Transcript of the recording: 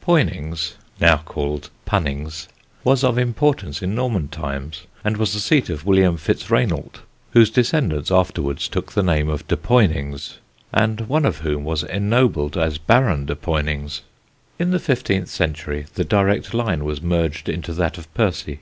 Poynings (now called Punnings) was of importance in Norman times, and was the seat of William FitzRainalt, whose descendants afterwards took the name of de Ponyngs and one of whom was ennobled as Baron de Ponyngs. In the fifteenth century the direct line was merged into that of Percy.